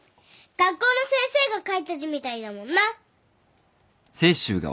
学校の先生が書いた字みたいだもんな。